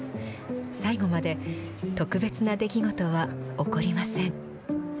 最後まで特別な出来事は起こりません。